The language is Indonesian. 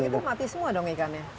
kalau gitu mati semua dong ikannya